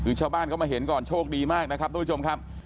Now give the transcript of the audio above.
คือชาวบ้านเขามาเห็นก่อนโชคดีมากนะครับทุกผู้ชมครับ